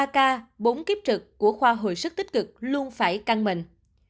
ba k bốn kiếp trực của khoa hồi sức tích cực luôn phải căng mình